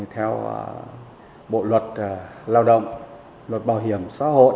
theo bộ luật lao động luật bảo hiểm xã hội